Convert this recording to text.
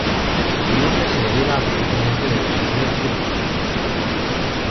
Su nombre se deriva aparentemente del "sonido basura" en sus canciones.